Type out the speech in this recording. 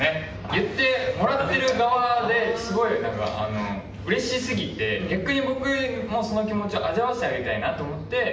言ってもらってる側ですごいうれしすぎて逆に僕もその気持ちを味あわせてあげたいなと。